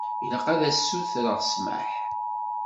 Ilaq ad tsutreḍ ssmaḥ.